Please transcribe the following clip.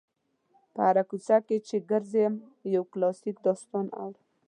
په هره کوڅه کې چې ګرځم یو کلاسیک داستان اورم.